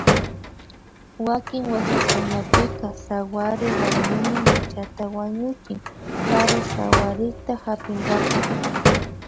Wakin wasikunapika sawary warmimi michata wañuchin kari sawarikta hapinkapa